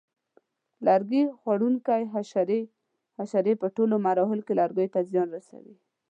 لرګي خوړونکي حشرې: حشرې په ټولو مرحلو کې لرګیو ته زیان رسوي.